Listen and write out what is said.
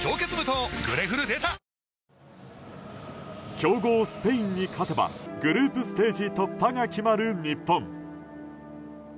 強豪スペインに勝てばグループステージ突破が決まる日本。